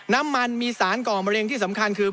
น้ำมันมีสารก่อมะเร็งที่สำคัญคือ